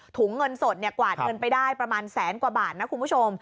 เงินสดกวาดเงินไปได้ประมาณแสนกว่าบาทนะคุณผู้ชม